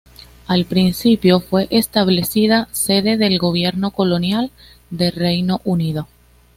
Al principio, fue establecida sede del Gobierno Colonial de Reino Unido.